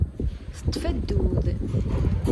Teṭṭef addud.